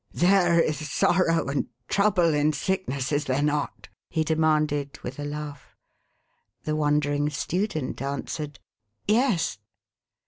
" There is sorrow and trouble in sickness, is there not ?" he demanded, with a laugh. The wondering student answered, " Yes."